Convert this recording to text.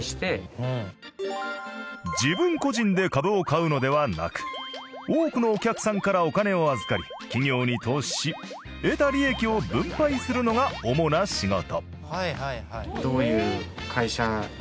自分個人で株を買うのではなく多くのお客さんからお金を預かり企業に投資し得た利益を分配するのが主な仕事。